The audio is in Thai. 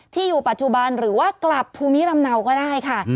อยู่ปัจจุบันหรือว่ากลับภูมิลำเนาก็ได้ค่ะ